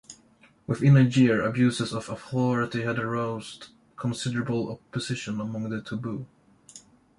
Within a year, abuses of authority had roused considerable opposition among the Toubou.